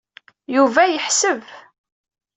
Yuba yeḥseb.